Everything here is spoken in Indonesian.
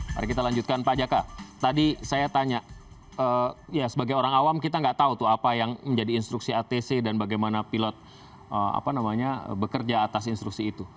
mari kita lanjutkan pak jaka tadi saya tanya ya sebagai orang awam kita nggak tahu tuh apa yang menjadi instruksi atc dan bagaimana pilot bekerja atas instruksi itu